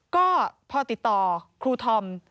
ก็พอติดต่อครูธอม